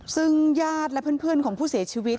ซึ่งญาติและเพื่อนของผู้เสียชีวิต